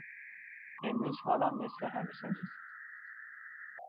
امروز حالم مثل همیشه نیست.